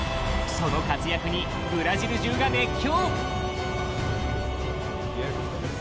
その活躍にブラジル中が熱狂！